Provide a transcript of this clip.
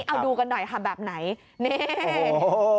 เอาดูกันหน่อยค่ะแบบไหนนี่